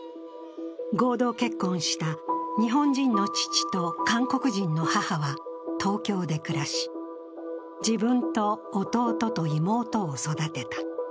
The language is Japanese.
合同結婚した日本人の父と韓国人の母は東京で暮らし、自分と弟と妹を育てた。